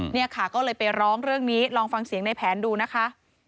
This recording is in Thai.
เนี่ยค่ะก็เลยไปร้องเรื่องนี้ลองฟังเสียงในแผนดูนะคะ